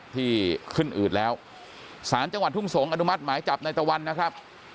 ที่ขึ้นอืดแล้วสารจังหวัดทุ่งสงอนุมัติหมายจับในตะวันนะครับ